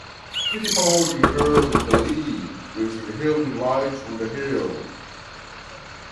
Fittipaldi inherited the lead, with Hulme right on his tail.